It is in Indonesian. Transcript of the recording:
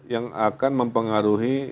yang akan mempengaruhi